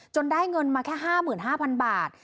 ได้เงินมาแค่๕๕๐๐๐บาท